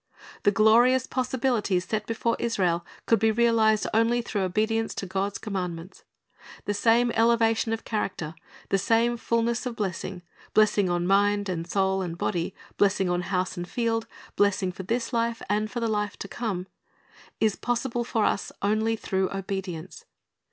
The glorious possibilities set before Israel could be realized only through obedience to God's commandments. The same elevation of character, the same fulness of blessing, — blessing on mind and soul and body, blessing on house and field, blessing for this life and for the life to come, — is possible for us only through obedience.